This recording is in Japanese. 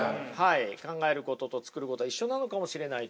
考えることと作ることは一緒なのかもしれないというのはね。